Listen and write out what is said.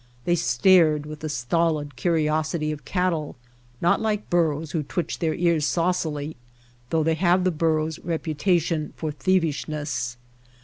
They stared with the stolid curiosity of cattle, not like burros who twitch their ears saucily, though they have the burro's reputation for thievishness.